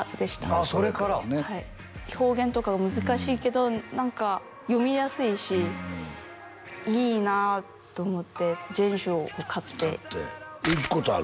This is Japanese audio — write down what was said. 「それから」ね表現とかが難しいけど何か読みやすいしいいなあと思って全集を買って行くことある？